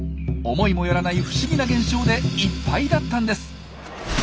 思いもよらない不思議な現象でいっぱいだったんです。